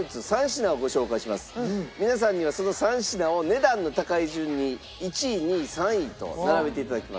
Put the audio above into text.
皆さんにはその３品を値段の高い順に１位２位３位と並べていただきます。